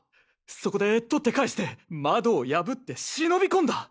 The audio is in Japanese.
そこでとって返して窓を破って忍び込んだ！